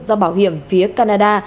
do bảo hiểm phía canada